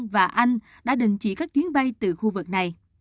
và anh đã đình chỉ các chuyến bay từ khu vực này